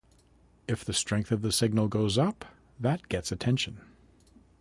If the strength of the signal goes up, that gets attention.